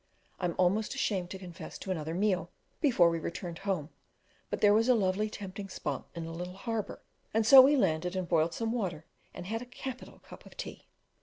I am almost ashamed to confess to another meal before we returned home, but there was a lovely tempting spot in a little harbour, and so we landed and boiled some water and had a capital cup of tea.